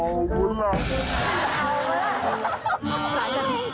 อย่าเอาเวลา